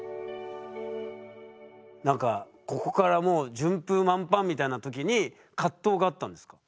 何かここからもう順風満帆みたいな時に葛藤があったんですか？